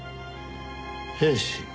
兵士？